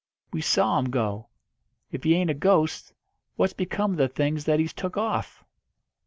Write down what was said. We saw 'em go. If he ain't a ghost, what's become of the things that he's took off?"